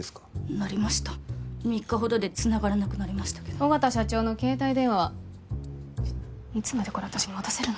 鳴りました３日ほどで繋がらなくなりましたけど緒方社長の携帯電話はいつまでこれ私に持たせるの？